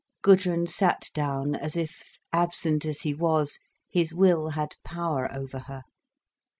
Gudrun sat down, as if, absent as he was, his will had power over her.